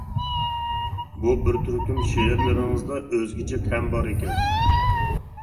بۇ بىر تۈركۈم شېئىرلىرىڭىزدا ئۆزگىچە تەم بار ئىكەن.